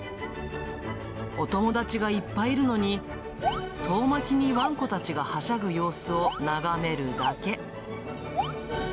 お友達がいっぱいいるのに、遠巻きにワンコたちがはしゃぐ様子を眺めるだけ。